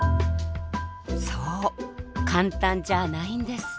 そう簡単じゃないんです。